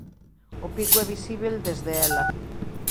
O pico é visíbel desde ela.